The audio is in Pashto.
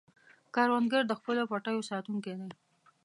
کروندګر د خپلو پټیو ساتونکی دی